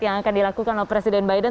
yang akan dilakukan oleh presiden biden